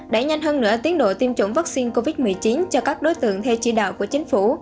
đẩy nhanh hơn nữa tiến độ tiêm chủng vaccine covid một mươi chín cho các đối tượng theo chỉ đạo của chính phủ